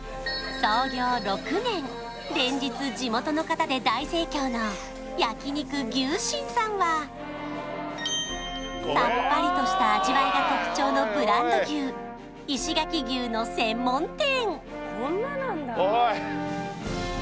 連日地元の方で大盛況の焼肉牛信さんはさっぱりとした味わいが特徴のブランド牛の専門店！